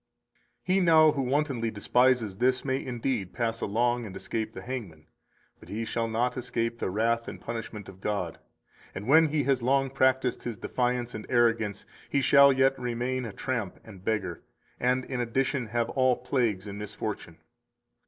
234 He now who wantonly despises this may indeed pass along and escape the hangman, but he shall not escape the wrath and punishment of God; and when he has long practised his defiance and arrogance, he shall yet remain a tramp and beggar, and, in addition, have all plagues and misfortune.